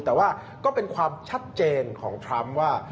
แต่ว่าก็เป็นความชัดเจนของทรัมป์ว่า